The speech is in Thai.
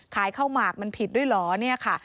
ขายข้าวหมากมันผิดด้วยเหรอ